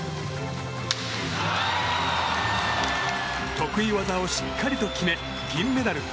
得意技をしっかりと決め銀メダル。